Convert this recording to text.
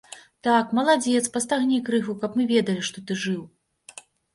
Так, маладзец, пастагні крыху, каб мы ведалі, што ты жыў.